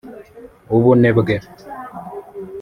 ubunebwe